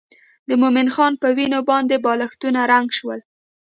د مومن خان په وینو باندې بالښتونه رنګ شول.